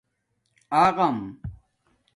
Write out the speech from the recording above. اغݳم